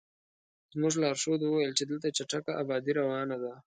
زموږ لارښود وویل چې دلته چټکه ابادي روانه ده.